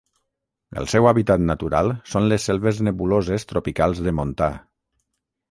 El seu hàbitat natural són les selves nebuloses tropicals de montà.